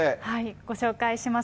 ご紹介します。